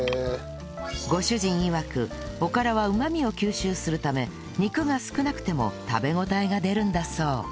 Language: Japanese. ご主人いわくおからはうまみを吸収するため肉が少なくても食べ応えが出るんだそう